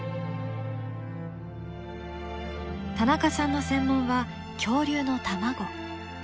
田中さんの専門は恐竜の卵。